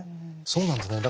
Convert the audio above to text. そうなんですね。